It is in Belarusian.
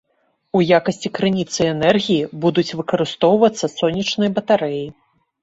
У якасці крыніцы энергіі будуць выкарыстоўвацца сонечныя батарэі.